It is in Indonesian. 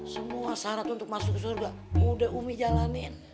semua syarat untuk masuk ke surga udah umi jalanin